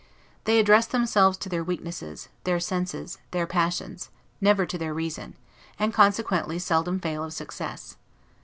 They address themselves to their weaknesses, their senses, their passions; never to their reason; and consequently seldom fail of success.